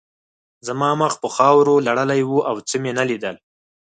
زما مخ په خاورو لړلی و او څه مې نه لیدل